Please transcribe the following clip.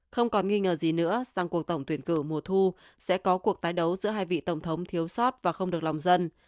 không còn nghi ngờ gì nữa rằng cuộc tổng tuyển cử mùa thu sẽ có cuộc tái đấu giữa hai vị tổng thống thiếu sót và không được lòng dân